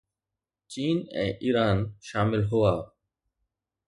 چين ۽ ايران شامل هئا